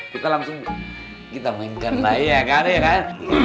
kita langsung kita mainkan lah ya kan ya kan